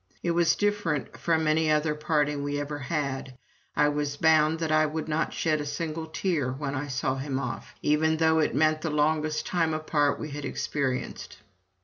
It was different from any other parting we had ever had. I was bound that I would not shed a single tear when I saw him off, even though it meant the longest time apart we had experienced.